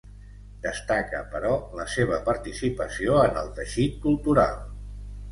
Destaca, però, la seva participació en el teixit cultural.